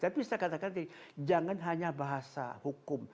tapi saya katakan tadi jangan hanya bahasa hukum